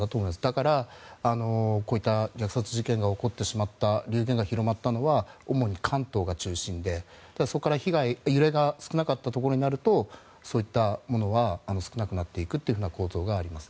だから、こういった虐殺事件が起こってしまった流言が広がったのは主に関東が中心でそこから被害、揺れが少なかったところになるとそういったものは少なくなっていくという構造があります。